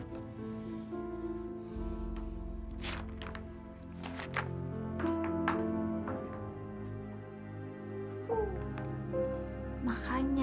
lanjutin bacanya ya